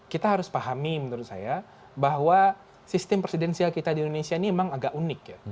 kita harus pahami menurut saya bahwa sistem presidensial kita di indonesia ini memang agak unik ya